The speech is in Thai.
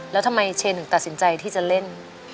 แล้วทำไมเชนถึงตัดสินใจที่จะเล่น